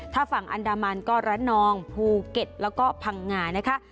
ถ้าฝั่งอันดามันก็ระนองภูเก็ตแล้วก็พังงานะคะ